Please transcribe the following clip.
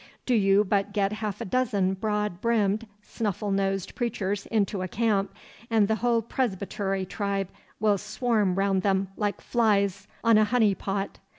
'Do you but get half a dozen broad brimmed, snuffle nosed preachers into a camp, and the whole Presbytery tribe will swarm round them like flies on a honey pot.